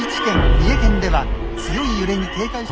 三重県では強い揺れに警戒してください。